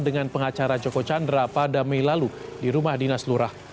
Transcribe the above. dengan pengacara joko chandra pada mei lalu di rumah dinas lurah